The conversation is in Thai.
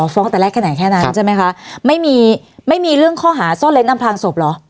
ตั้งแต่แรกแค่ไหนแค่นั้นใช่ไหมคะไม่มีไม่มีเรื่องข้อหาซ่อนเล้นอำพลางศพเหรอ